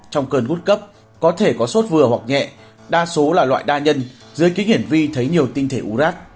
trong cơn gút cấp có thể có suốt vừa hoặc nhẹ đa số là loại đa nhân dưới kính hiển vi thấy nhiều tinh thể ú rác